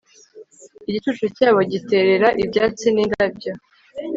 igicucu cyabo giterera ibyatsi n'indabyo